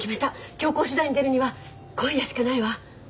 強硬手段に出るには今夜しかないわ。